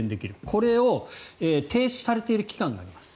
これを停止されている期間があります。